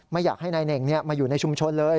ไม่อยากให้นายเน่งมาอยู่ในชุมชนเลย